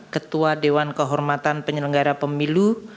ketua dewan kehormatan penyelenggara pemilu